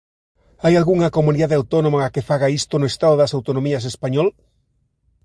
¿Hai algunha comunidade autónoma que faga isto no Estado das autonomías español?